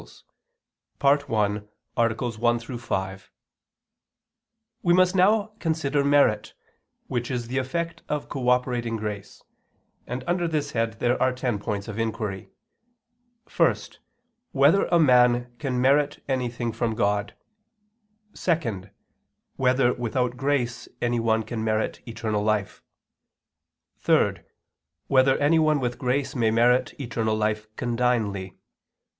________________________ QUESTION 114 OF MERIT (In Ten Articles) We must now consider merit, which is the effect of cooperating grace; and under this head there are ten points of inquiry: (1) Whether a man can merit anything from God? (2) Whether without grace anyone can merit eternal life? (3) Whether anyone with grace may merit eternal life condignly?